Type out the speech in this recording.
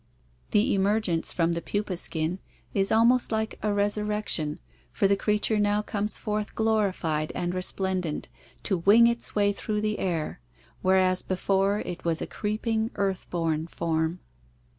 The emergence from the pupa skin is almost like a resurrection, for the creature now comes forth glorified and resplendent to wing its way through the air, whereas before it was a creeping, earth borne form.